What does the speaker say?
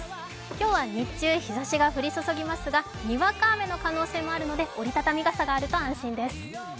今日は日中、日ざしが注ぎますがにわか雨の可能性もあるので折り畳み傘があると安心です。